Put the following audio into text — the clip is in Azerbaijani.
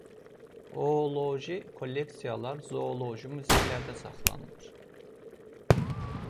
Ooloji kolleksiyalar zooloji muzeylərdə saxlanılır.